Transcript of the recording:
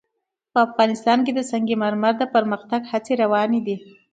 افغانستان کې د سنگ مرمر د پرمختګ هڅې روانې دي.